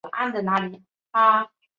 后由薛星辉接任。